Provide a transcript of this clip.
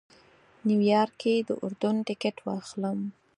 نیویارک کې د اردن ټکټ واخلم.